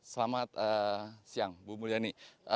selamat siang ibu mulyani